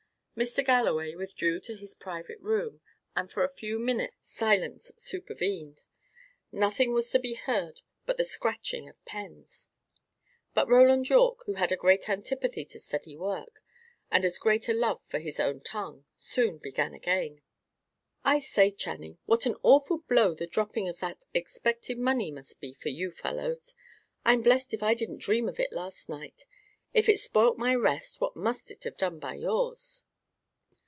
Mr. Galloway withdrew to his private room, and for a few minutes silence supervened nothing was to be heard but the scratching of pens. But Roland Yorke, who had a great antipathy to steady work, and as great a love for his own tongue, soon began again. "I say, Channing, what an awful blow the dropping of that expected money must be for you fellows! I'm blest if I didn't dream of it last night! If it spoilt my rest, what must it have done by yours!"